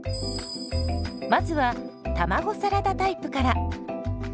まずは卵サラダタイプから。